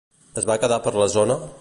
Es va quedar per la zona?